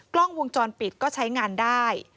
กล้องวงจรปิดก็ใช้งานได้